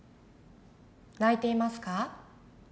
泣いていますか？